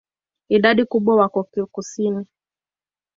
Idadi kubwa wako kusini.